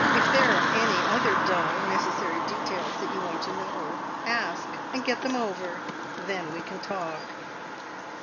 If there are any other dull, necessary details that you want to know, ask! and get them over. Then we can talk!"